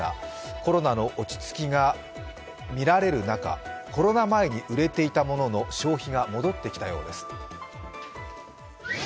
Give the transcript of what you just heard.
コロナの落ち着きがみられる中、コロナ前に売れていたものの消費が戻ってきたようです。